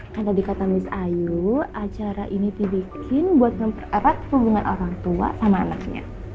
kan tadi kata miss ayu acara ini dibikin buat mempererat hubungan orang tua sama anaknya